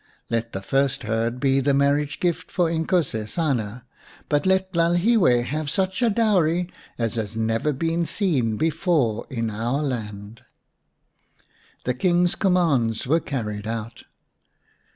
Let the first herd be the marriage gift for Inkosesana, but let Lalhiwe have such a dowry as has never been seen before in our land." The King's commands were carried out.